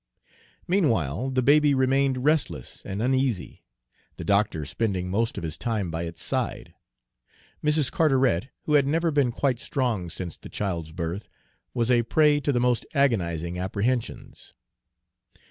Meanwhile the baby remained restless and uneasy, the doctor spending most of his time by its side. Mrs. Carteret, who had never been quite strong since the child's birth, was a prey to the most agonizing apprehensions.